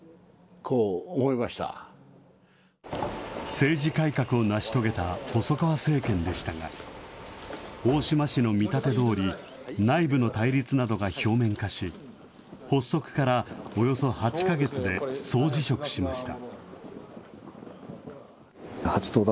政治改革を成し遂げた細川政権でしたが、大島氏の見立てどおり、内部の対立などが表面化し、発足からおよそ８か月で総辞職しました。